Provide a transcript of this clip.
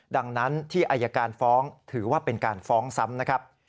ดังนั้นที่อายการฟ้องถือว่าเป็นการฟ้องซ้ำนะครับ